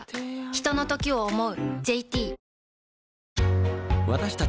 ひとのときを、想う。